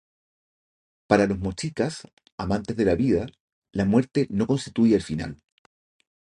Para los mochicas, amantes de la vida, la muerte no constituía el final.